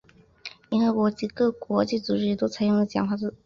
联合国及各国际组织也都采用了简化字。